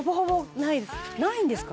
「ないんですか？」